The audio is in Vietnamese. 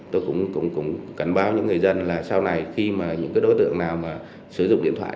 tôi cũng cảnh báo những người dân là sau này khi mà những đối tượng nào mà sử dụng điện thoại